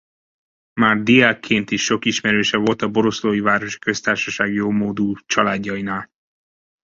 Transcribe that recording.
Már diákként is sok ismerőse volt a boroszlói városi köztársaság jómódú családjainál.